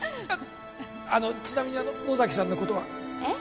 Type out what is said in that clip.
あのちなみに野崎さんのことはえっ？